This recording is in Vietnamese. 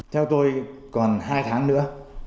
theo tôi còn hai tháng nữa